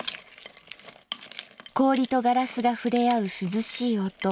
「氷とガラスがふれあう涼しい音。